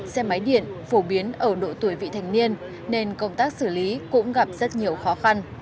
xe máy điện phổ biến ở độ tuổi vị thành niên nên công tác xử lý cũng gặp rất nhiều khó khăn